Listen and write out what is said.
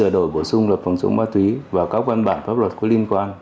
đổi bổ sung luật phòng chống ma túy và các văn bản pháp luật có liên quan